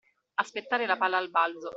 Aspettare la palla al balzo.